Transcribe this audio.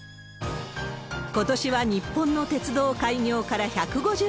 ことしは日本の鉄道開業から１５０年。